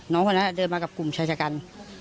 คนนั้นเดินมากับกลุ่มชายชะกัน